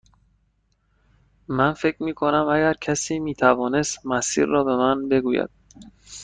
من فکر می کنم اگر کسی می توانست مسیر را به من بگوید.